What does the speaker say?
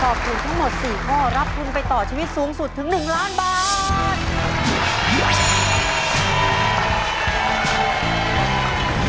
ถูกทั้งหมด๔ข้อรับทุนไปต่อชีวิตสูงสุดถึง๑ล้านบาท